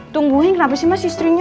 tungguin kenapa sih mas istrinya